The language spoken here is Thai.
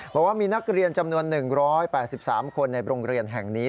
บอกว่ามีนักเรียนจำนวน๑๘๓คนในโรงเรียนแห่งนี้